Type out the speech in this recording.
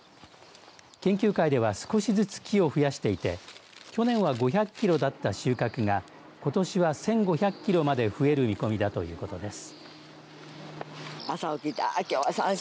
研究会では少しずつ木を増やしていて去年は５００キロだった収穫がことしは１５００キロまで増える見込みだということです。